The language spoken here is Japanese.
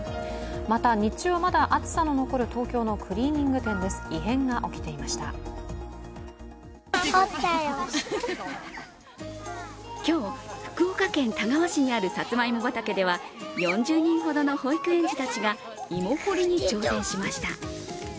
また日中はまだ暑さの残る東京のクリーニング店です今日、福岡県田川市にあるさつまいも畑では４０人ほどの保育園児たちが芋掘りに挑戦しました。